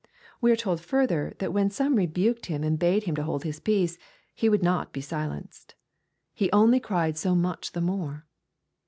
'' We are told further, that when some rebuked him and bade him hold his peace, he would not be silenced. " He only cried so much the more."